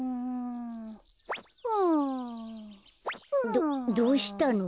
どどうしたの？